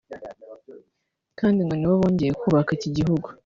kandi ngo nibo bongeye kubaka iki gihugu